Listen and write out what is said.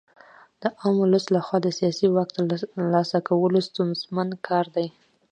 د عام ولس لخوا د سیاسي واک ترلاسه کول ستونزمن کار دی.